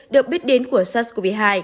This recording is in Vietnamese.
được biết đến của sars cov hai